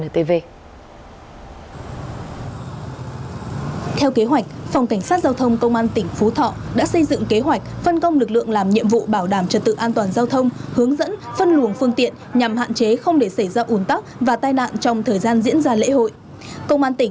theo kế hoạch phòng cảnh sát giao thông công an tỉnh phú thọ đã xây dựng kế hoạch phân công lực lượng làm nhiệm vụ bảo đảm trật tự an toàn giao thông hướng dẫn phân luồng phương tiện nhằm hạn chế không để xảy ra ủn tắc và tai nạn trong thời gian diễn ra lễ hội